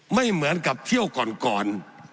ไม่เหมือนกับเที่ยวก่อน